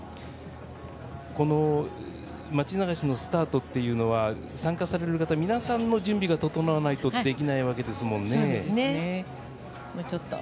この町流しのスタートっていうのは参加される方皆さんの準備が整わないとできないわけですもんね。